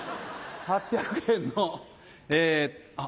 ８００円のあっ